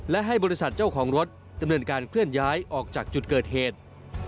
และให้บริษัทเจ้าของรถดำเนินการเคลื่อนย้ายออกจากจุดเกิดเหตุ